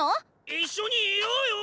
一緒にいようよ。